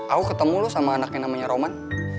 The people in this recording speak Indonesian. aku ketemu lu sama anaknya namanya roman